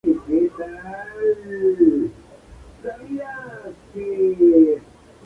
Perteneció a una logia masónica de Loja que se llamaba El Porvenir.